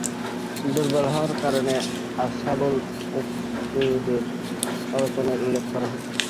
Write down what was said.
দুর্বল হওয়ার কারণ আসহাবুল উখদূদের আলোচনায় উল্লেখ করা হয়েছে।